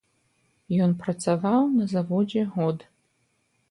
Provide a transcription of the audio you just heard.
Ён працаваў на заводзе год.